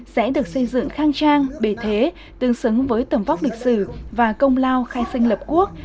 sẽ được xây dựng khang trang bề thế tương xứng với tầm vóc lịch sử và công lao khai sinh lập quốc